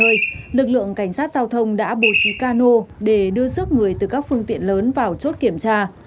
hôm nay lực lượng cảnh sát giao thông đã bổ trí cano để đưa sức người từ các phương tiện lớn vào chốt kiểm tra